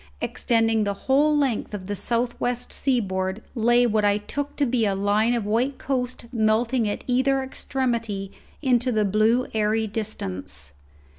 Extending the whole length of the south west seaboard lay what I took to be a line of white coast melting at either extremity into the blue airy distance.